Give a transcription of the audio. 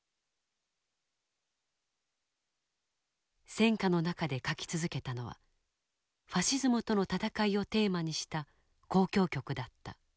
戦火の中で書き続けたのは「ファシズムとの戦い」をテーマにした交響曲だった。